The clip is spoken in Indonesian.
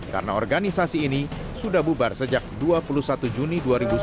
karena organisasi ini sudah bubar sejak dua puluh satu juni dua ribu empat belas